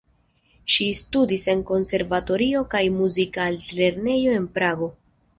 Ŝi studis en konservatorio kaj Muzika altlernejo en Prago.